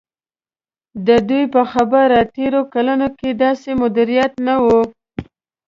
د دوی په خبره تېرو کلونو کې داسې مدیریت نه و.